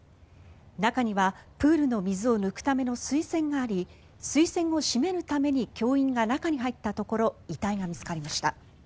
中にはプールの水を抜くための水栓があり水栓を閉めるために教員が中に入ったところ遺体が見つかりました。